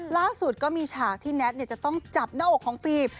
ล่าสุดก็มีฉากที่แน็ตจะต้องจับหน้าอกของฟิล์ม